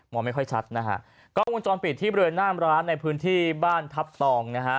ไม่ค่อยชัดนะฮะกล้องวงจรปิดที่บริเวณหน้ามร้านในพื้นที่บ้านทัพตองนะฮะ